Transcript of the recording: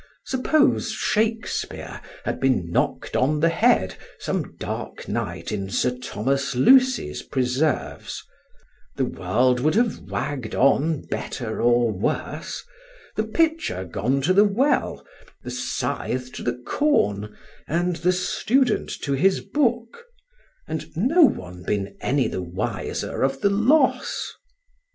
Suppose Shakespeare had been knocked on the head some dark night in Sir Thomas Lucy's preserves, the world would have wagged on better or worse, the pitcher gone to the well, the scythe to the corn, and the student to his book; and no one been any the wiser of the loss.